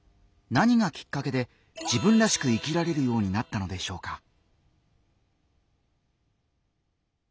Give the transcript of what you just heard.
何がきっかけで自分らしく生きられるようになったのでしょうか。